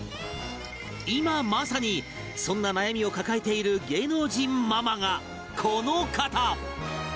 今まさにそんな悩みを抱えている芸能人ママがこの方